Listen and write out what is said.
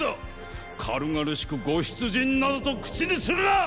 軽々しくご出陣などと口にするな！！